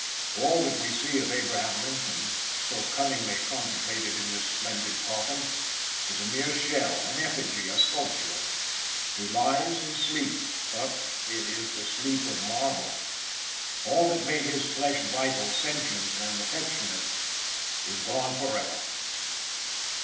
All that we see of Abraham Lincoln, so cunningly contemplated in this splendid coffin, is a mere shell, an effigy, a sculpture. He lies in sleep, but it is the sleep of marble. All that made this flesh vital, sentient, and affectionate is gone forever.